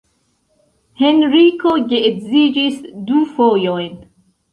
Henriko geedziĝis du fojojn.